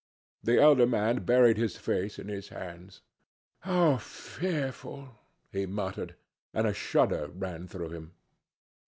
The elder man buried his face in his hands. "How fearful," he muttered, and a shudder ran through him.